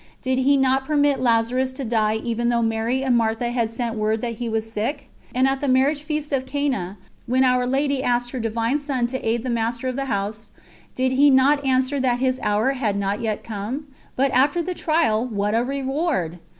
Did He not permit Lazarus to die even though Mary and Martha had sent word that he was sick? And at the marriage feast of Cana, when Our Lady asked her Divine Son to aid the master of the house, did He not answer that His hour had not yet come? But after the trial what a reward!